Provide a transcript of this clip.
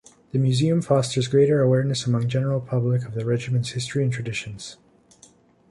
The museum fosters greater awareness among general public of the Regiment's history and traditions.